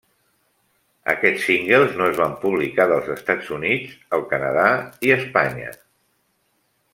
Aquests singles no es van publicar dels Estats Units, el Canadà i Espanya.